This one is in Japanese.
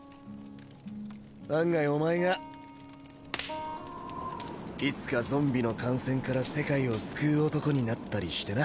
案外お前がいつかゾンビの感染から世界を救う男になったりしてな。